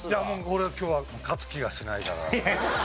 俺今日は勝つ気がしないから。